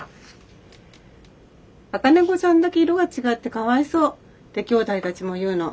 あかねこちゃんだけいろがちがってかわいそうってきょうだいたちもいうの。